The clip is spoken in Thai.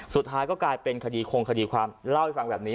สุดท้ายก็กลายเป็นคดีคงคดีความเล่าให้ฟังแบบนี้